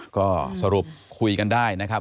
ก็สรุปคุยกันได้นะครับ